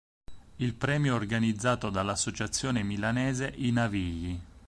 Il premio è organizzato dall'associazione milanese "I Navigli".